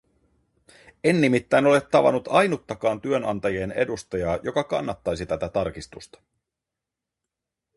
En nimittäin ole tavannut ainuttakaan työnantajien edustajaa, joka kannattaisi tätä tarkistusta.